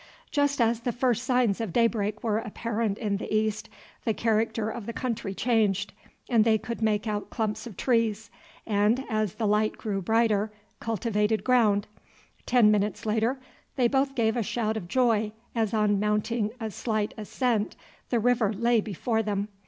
Just as the first signs of daybreak were apparent in the east the character of the country changed, and they could make out clumps of trees, and, as the light grew brighter, cultivated ground. Ten minutes later they both gave a shout of joy as on mounting a slight ascent the river lay before them.